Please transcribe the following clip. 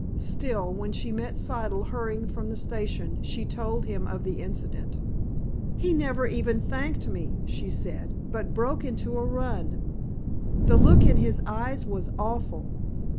Still, when she met Siddle hurrying from the station, she told him of the incident. "He never even thanked me," she said, "but broke into a run. The look in his eyes was awful."